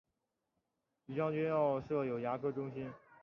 于将军澳设有牙科中心。